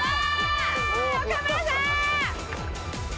岡村さん！